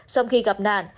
sau khi gặp nạn